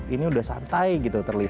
ini udah santai gitu